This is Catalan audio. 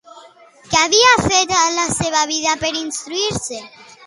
Què havia fet a la seva vida per instruir-se?